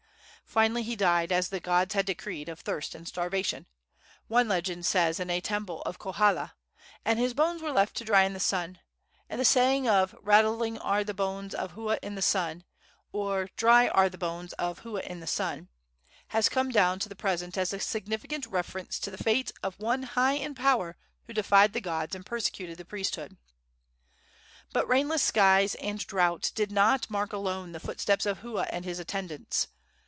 Finally he died, as the gods had decreed, of thirst and starvation one legend says in a temple of Kohala and his bones were left to dry in the sun; and the saying of "rattling are the bones of Hua in the sun," or "dry are the bones of Hua in the sun," has come down to the present as a significant reference to the fate of one high in power who defied the gods and persecuted the priesthood. But rainless skies and drought did not mark alone the footsteps of Hua and his attendants.